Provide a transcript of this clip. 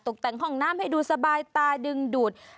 ตกแต่งห้องน้ำให้ดูสบายตาดึงดูด